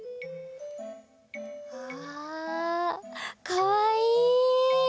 あかわいい！